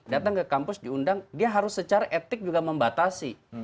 datang ke kampus diundang dia harus secara etik juga membatasi